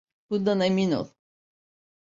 Bundan emin ol.